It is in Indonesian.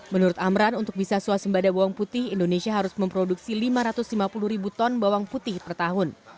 menurut amran untuk bisa suasembada bawang putih indonesia harus memproduksi lima ratus lima puluh ribu ton bawang putih per tahun